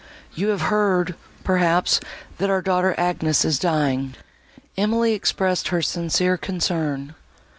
—You have heard, perhaps, that our daughter Agnes is dying?" Emily expressed her sincere concern.